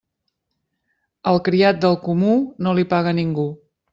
Al criat del comú no li paga ningú.